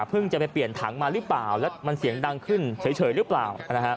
จะไปเปลี่ยนถังมาหรือเปล่าแล้วมันเสียงดังขึ้นเฉยหรือเปล่า